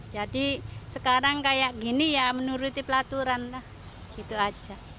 jadi sekarang kayak gini ya menuruti pelaturan lah gitu aja